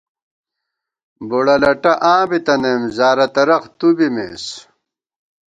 بُڑہ لٹہ آں بِتنئیم ، زارہ ترخ تُو بِمېس